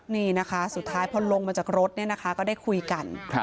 นี่นะคะสุดท้ายพอลงมาจากรถเนี่ยนะคะก็ได้คุยกัน